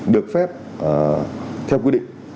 được phép theo quy định